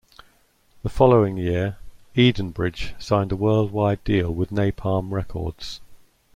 The following year, Edenbridge signed a worldwide deal with Napalm Records.